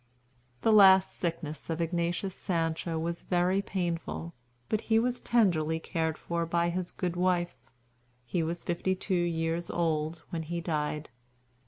The last sickness of Ignatius Sancho was very painful, but he was tenderly cared for by his good wife. He was fifty two years old when he died.